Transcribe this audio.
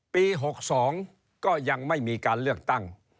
ปี๖๒ก็ยังไม่มีการเลือกตั้ง